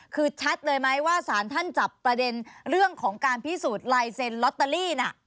คือชัดเลยไหมว่าสารท่านจับประเด็นเรื่องของการพิสูจน์ลายเซ็นลอตเตอรี่น่ะ